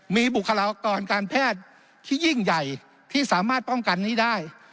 มีบุคลากรการแพทย์ที่ยิ่งใหญ่ที่สามารถป้องกันนี้ได้